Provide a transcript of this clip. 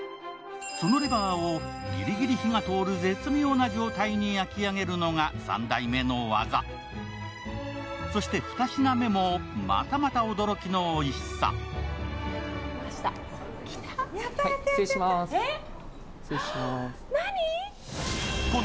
そのレバーをギリギリ火が通る絶妙な状態に焼き上げるのが三代目の技そして２品目もまたまた驚きのおいしさやったやったやったやったえっ？